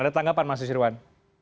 ada tanggapan mas susirwan